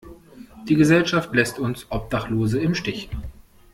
Die Gesellschaft lässt uns Obdachlose im Stich.